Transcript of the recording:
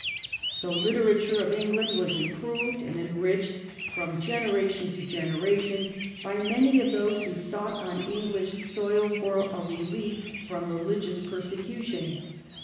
The literature of England was improved and enriched from generation to generation by many of those who sought on EngHsh soil for a relief from religious persecution.